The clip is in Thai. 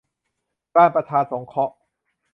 การประชาสงเคราะห์